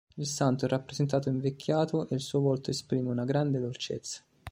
Il santo è rappresentato invecchiato e il suo volto esprime una grande dolcezza.